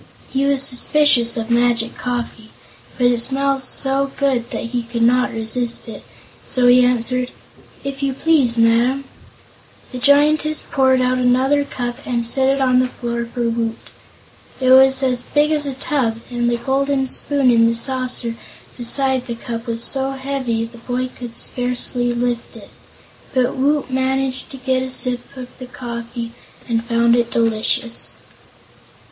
He was suspicious of magic coffee, but it smelled so good that he could not resist it; so he answered: "If you please, Madam." The Giantess poured out another cup and set it on the floor for Woot. It was as big as a tub, and the golden spoon in the saucer beside the cup was so heavy the boy could scarcely lift it. But Woot managed to get a sip of the coffee and found it delicious. Mrs.